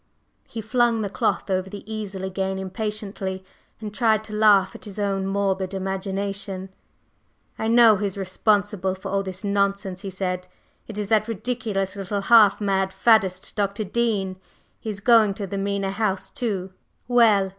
…" He flung the cloth over the easel again impatiently, and tried to laugh at his own morbid imagination. "I know who is responsible for all this nonsense," he said. "It is that ridiculous little half mad faddist, Dr. Dean. He is going to the Mena House, too. Well!